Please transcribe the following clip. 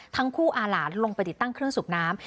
อาหลานลงไปติดตั้งเครื่องสูบน้ำ